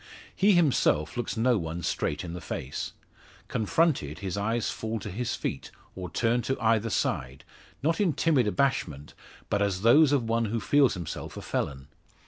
He himself looks no one straight in the face. Confronted, his eyes fall to his feet, or turn to either side, not in timid abashment, but as those of one who feels himself a felon.